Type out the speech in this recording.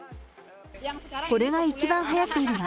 これが一番はやっているわ。